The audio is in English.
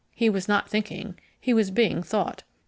He was not thinking: he was being thought.